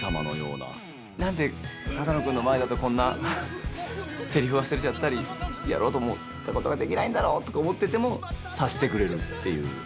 なんで只野君の前だと、こんなせりふ忘れちゃったりやろうと思ったことができないんだろうとか思ってても察してくれるっていう。